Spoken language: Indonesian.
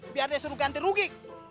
biar dia suruh ganti rugi